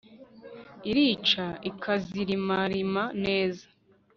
irica ikazirimarima.neza